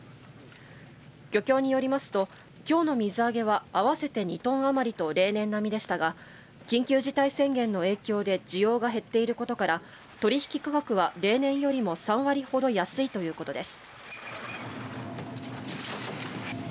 漁協によりますときょうの水揚げは合わせて２トン余りと例年並みでしたが緊急事態宣言の影響で需要が減っていることから取引価額は例年よりも３割ほど安いということです。